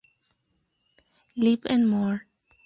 Live and More!